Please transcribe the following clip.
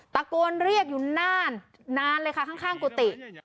ตะโกนเรียกอยู่นานนานเลยค่ะข้างกุฏิ